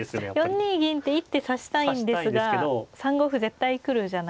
４二銀って一手指したいんですが３五歩絶対来るじゃないですか。